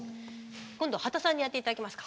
今度は刄田さんにやって頂きますか。